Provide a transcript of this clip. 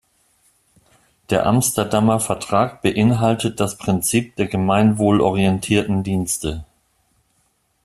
Der Amsterdamer Vertrag beinhaltet das Prinzip der gemeinwohlorientierten Dienste.